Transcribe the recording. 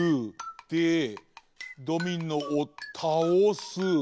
でドミノをたおす。